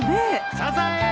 サザエー！